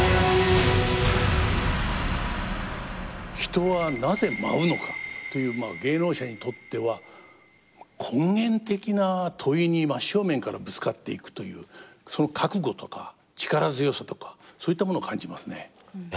「人はなぜ舞うのか」という芸能者にとっては根源的な問いに真正面からぶつかっていくというその覚悟とか力強さとかそういったものを感じますね。